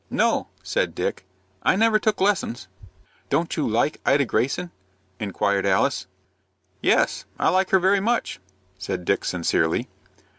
"No," said Dick; "I never took lessons." "Don't you like Ida Greyson?" inquired Alice. "Yes, I like her very much," said Dick, sincerely.